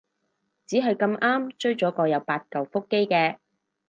只係咁啱追咗個有八舊腹肌嘅